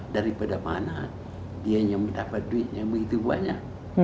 daripada mana dia yang mendapat duit yang begitu banyak